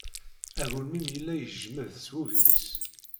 Agelmim yella yejmed s wegris.